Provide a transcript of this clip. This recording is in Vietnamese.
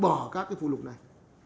bỏ các cái phụ lục này